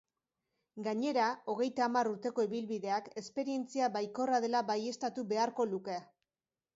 Gainera, hogeita hamar urteko ibilbideak esperientzia baikorra dela baieztatu beharko luke.